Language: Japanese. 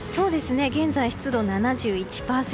現在、湿度７１％。